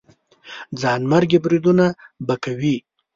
ځانمرګي بریدونه به کوي.